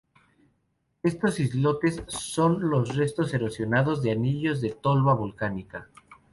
Estos islotes son los restos erosionados de anillos de toba volcánica.